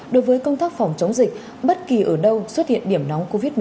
đối với công tác phòng chống dịch bất kỳ ở đâu xuất hiện điểm nóng covid một mươi chín